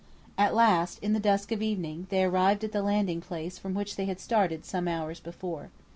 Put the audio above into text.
At last, in the dusk of evening, they arrived at the landing place from which they had started some hours before.